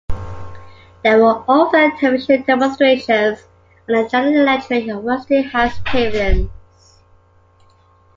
There were also television demonstrations at the General Electric and Westinghouse pavilions.